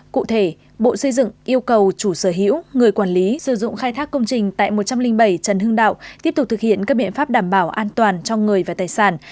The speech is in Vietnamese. cụ thể bộ xây dựng yêu cầu chủ sở hữu người quản lý sử dụng khai thác công trình tại một trăm linh bảy trần hưng đạo tiếp tục thực hiện các biện pháp đảm bảo an toàn cho người và tài sản